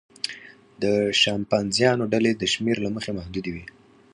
د شامپانزیانو ډلې د شمېر له مخې محدودې وي.